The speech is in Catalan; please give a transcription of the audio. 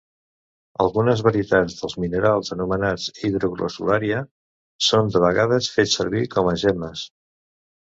Algunes varietats dels minerals anomenats hidrogrossulària són de vegades fets servir com a gemmes.